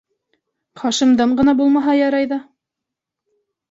Хашимдан ғына булмаһа ярай ҙа...